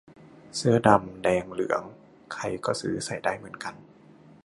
เสื้อดำ แดง เหลือง ใครก็ซื้อใส่ได้เหมือนกัน